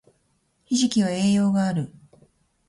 ひじきは栄養がある